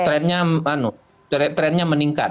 trendnya mana trendnya meningkat